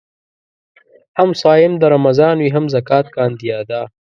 هم صايم د رمضان وي هم زکات کاندي ادا